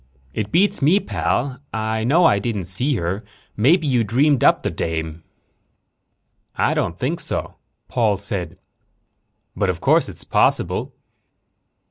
"It beats me, pal. I know I didn't see her. Maybe you dreamed up the dame." "I don't think so," Paul said. "But of course it's possible."